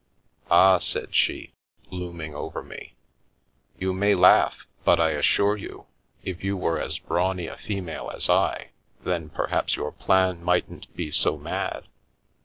"Ah," said she, looming over me, "you may laugh, but I assure you, if you were as brawny a female as I, then perhaps your plan mightn't be so mad.